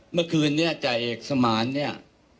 เมื่อคืนนี้จ่ายเอกสมานเนี่ย